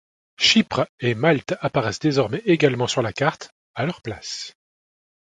Chypre et Malte apparaissent désormais également sur la carte, à leur place.